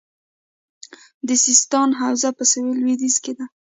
د سیستان حوزه په سویل لویدیځ کې ده